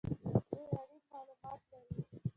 دوی اړین مالومات لري